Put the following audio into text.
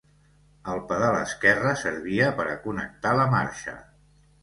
El pedal esquerre servia per a connectar la marxa.